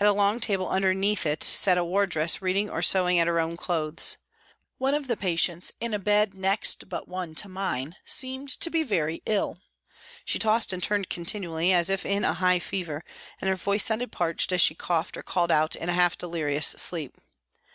At a long table underneath it sat a wardress reading or sewing at her own clothes. One of the patients in a bed next but one to mine seemed to be very ill. She tossed and turned continually, as if in a high fever, and her voice sounded parched as she coughed or called out in a half delirious sleep.